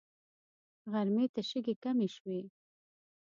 غرمې ته شګې کمې شوې.